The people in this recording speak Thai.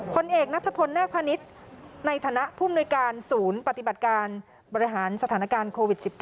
ผลเอกนัทพลนาคพนิษฐ์ในฐานะภูมิหน่วยการศูนย์ปฏิบัติการบริหารสถานการณ์โควิด๑๙